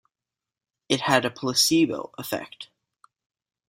It had a placebo effect.